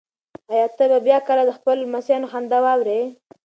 ایا ته به بیا کله د خپلو لمسیانو خندا واورې؟